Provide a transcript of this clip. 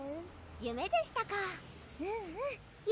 夢でしたかうんうん夢